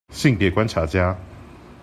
性別觀察家